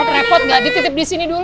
ada repot gak dititip disini dulu